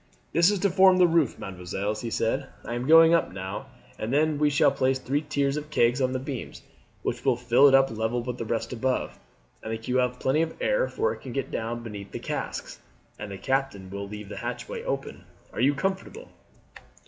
"This is to form the roof, mesdemoiselles," he said. "I am going up now, and then we shall place three tiers of kegs on these beams, which will fill it up level with the rest above. I think you will have plenty of air, for it can get down between the casks, and the captain will leave the hatchway open. Are you comfortable?"